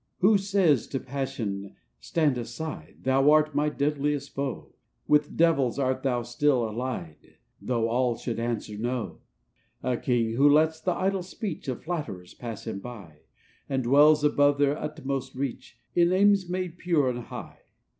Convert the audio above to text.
99 "Who says to Passion, 'Stand aside; Thou art my deadliest foe: With devils art thou still allied, Though all should answer no !' "A king, who lets the idle speech Of flatterers pass him by, And dwells above their utmost reach, In aims made pure and high.